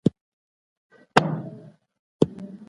کډوالي د انساني تاریخ یوه برخه ده.